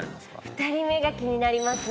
２人目が気になりますね。